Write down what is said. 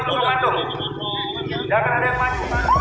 sudah ada yang menanggung